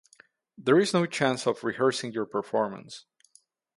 There is no chance of 'rehearsing' your performance.